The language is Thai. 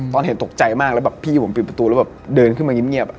ตอนเห็นตกใจมากแล้วแบบพี่ผมปิดประตูแล้วแบบเดินขึ้นมาเงียบ